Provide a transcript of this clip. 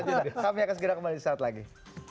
kita akan segera kembali suatu saat lagi